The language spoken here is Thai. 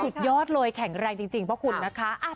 สุดยอดเลยแข็งแรงจริงเพราะคุณนะคะ